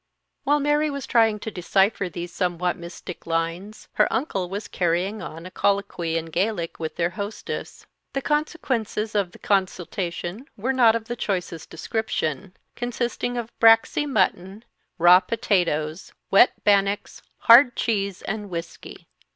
While Mary was trying to decipher these somewhat mystic lines, her uncle was carrying on a colloquy in Gaelic with their hostess. The consequendes of the consultation were not of the choicest description, consisting of braxy mutton, raw potatoes, wet bannocks, hard cheese, and whisky.